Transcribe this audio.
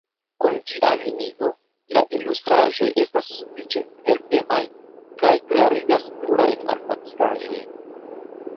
Kun tia limigo, la ilustraĵoj estas sufiĉe helpemaj kaj klarigas plurajn malfacilaĵojn.